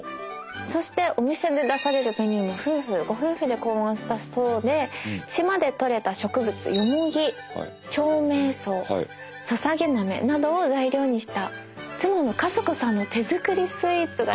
そしてお店で出されるメニューもご夫婦で考案したそうで島でとれた植物ヨモギ長命草ささげ豆などを材料にした妻の和子さんの手作りスイーツが頂けるみたいです。